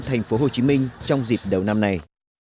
tp hcm trong dịp đầu năm này